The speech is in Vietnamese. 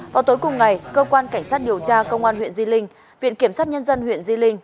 vào tối cùng ngày cơ quan cảnh sát điều tra công an huyện di linh viện kiểm sát nhân dân huyện di linh